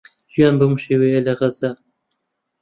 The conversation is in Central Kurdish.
ژیان بەم شێوەیەیە لە غەزە.